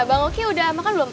bang oki udah makan belum